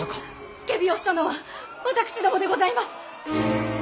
付け火をしたのはわたくしどもでございます。